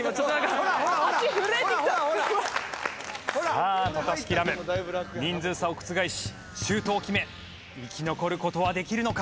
さあ渡嘉敷来夢人数差を覆しシュートを決め生き残る事はできるのか？